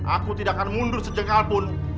aku tidak akan mundur sejakalpun